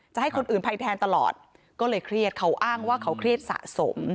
จะให้คนอื่นภัยแทนตลอดก็เลยเครียดเขาอ้างว่าเขาเครียดสะสม